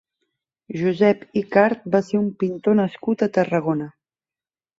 Josep Icart va ser un pintor nascut a Tarragona.